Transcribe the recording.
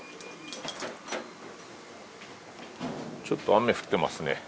ちょっと雨降ってますね